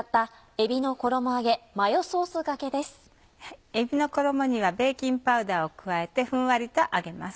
えびの衣にはベーキングパウダーを加えてふんわりと揚げます。